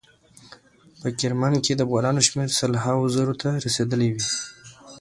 په کرمان کې د افغانانو شمیر سل هاو زرو ته رسیدلی وي.